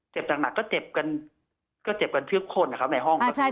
เจ็บหนักก็เจ็บกันเทือบคนครับในห้อง